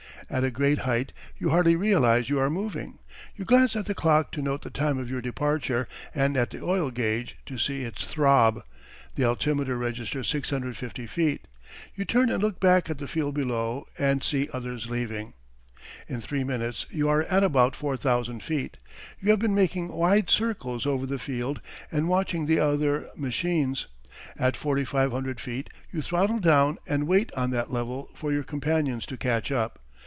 At a great height you hardly realize you are moving. You glance at the clock to note the time of your departure, and at the oil gauge to see its throb. The altimeter registers 650 feet. You turn and look back at the field below and see others leaving. In three minutes you are at about four thousand feet. You have been making wide circles over the field and watching the other machines. At forty five hundred feet you throttle down and wait on that level for your companions to catch up.